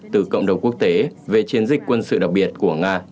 từ cộng đồng quốc tế về chiến dịch quân sự đặc biệt của nga nhằm vào ukraine